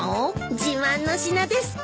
「自慢の品です」って。